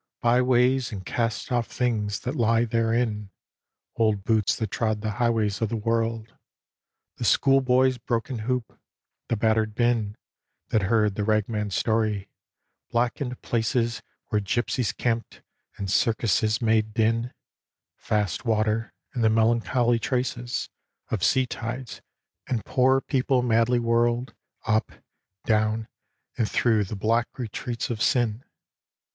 By ways and cast off things that lie therein. Old boots that trod the highways of the world, The schoolboy's broken hoop, the battered bin That heard the ragman's story, blackened places Where gipsies camped and circuses made din, Fast water and the melancholy traces Of sea tides, and poor people madly whirled Up, down, and through the black retreats of sin.